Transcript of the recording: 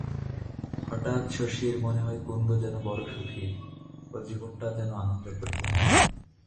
হঠাৎ শশীর মনে হয় কুন্দ যেন বড় সুখী, ওর জীবনটা যেন আনন্দে পরিপূর্ণ।